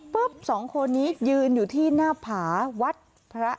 สองคนนี้ยืนอยู่ที่หน้าผาวัดพระ